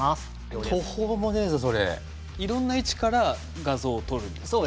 いろんな位置から画像を撮るんですか？